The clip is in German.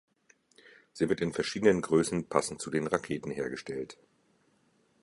Sie wird in verschiedenen Größen passend zu den Raketen hergestellt.